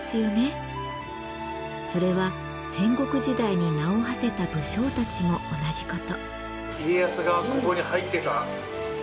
それは戦国時代に名をはせた武将たちも同じこと。